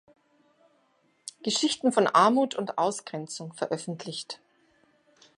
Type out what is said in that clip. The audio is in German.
Geschichten von Armut und Ausgrenzung“ veröffentlicht.